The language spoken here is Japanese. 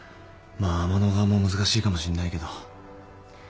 まあ阿万野側も難しいかもしんないけど。